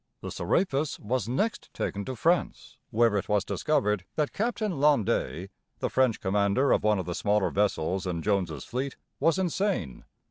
The Serapis was next taken to France, where it was discovered that Captain Landais (lahN dā´), the French commander of one of the smaller vessels in Jones's fleet, was insane.